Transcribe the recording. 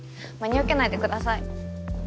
真に受けないでください。